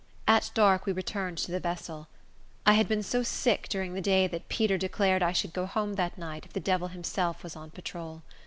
At dark we returned to the vessel. I had been so sick during the day, that Peter declared I should go home that night, if the devil himself was on patrol.